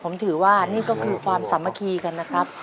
ผมถือว่านี่ก็คือความสามัคคีกันนะครับ